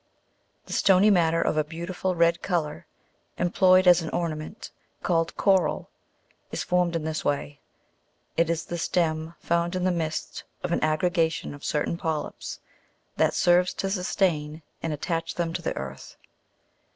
The stony matter, of a beau tiful red colour, employ ed as an ornament, call ed coral, is formed in this way ; it is the stem found in the midst of an aggregation of cer tain polyps, that serves to sustain and attach them to the earth (jig.